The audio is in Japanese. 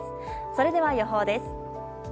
それでは予報です。